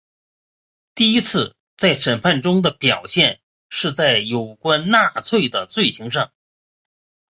第一次在审判中的表现是在有关纳粹的罪行上。